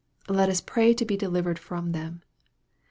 Let us pray to be delivered from them.